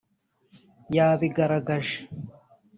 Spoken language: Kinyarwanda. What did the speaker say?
yabigaragaje